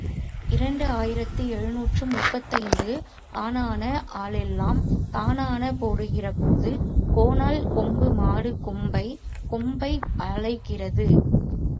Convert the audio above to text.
இரண்டு ஆயிரத்து எழுநூற்று முப்பத்தைந்து ஆனான ஆளெல்லாம் தானானம் போடுகிறபோது, கோணல் கொம்பு மாடு கொம்பைக் கொம்பை அலைக்கிறது.